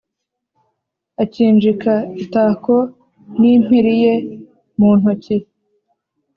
akinjika itako, n’impiri ye mu ntoki.